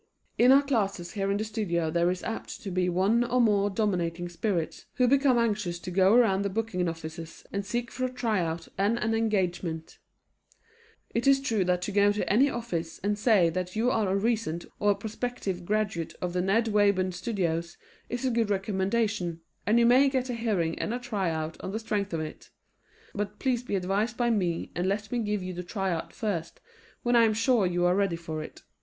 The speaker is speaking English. In our classes here in the studio there is apt to be one or more dominating spirits who become anxious to go around the booking offices and seek for a tryout and an engagement. It is true that to go to any office and say that you are a recent or prospective graduate of the Ned Wayburn Studios is a good recommendation, and you may get a hearing and a tryout on the strength of it. But please be advised by me and let me give you the tryout first when I am sure you are ready for it.